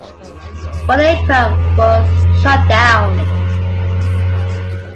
One aircraft was shot down.